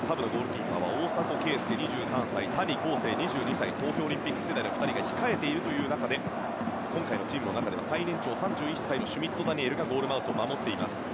サブのゴールキーパーは大迫敬介、２３歳谷晃生、２２歳東京オリンピック世代の２人が控えている中で今回のチームの中で最年長３１歳のシュミット・ダニエルがゴールマウスを守っています。